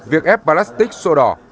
việc ép plastic sổ đỏ